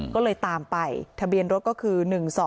ก็เลยตามไปทะเบียนรถก็คือ๑๒๒